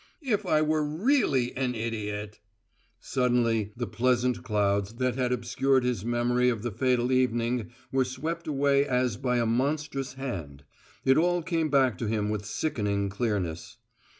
"If I were really an idiot!" Suddenly the pleasant clouds that had obscured his memory of the fatal evening were swept away as by a monstrous Hand: it all came back to him with sickening clearness.